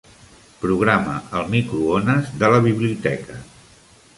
Programa el microones de la biblioteca.